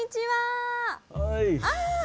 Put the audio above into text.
はい。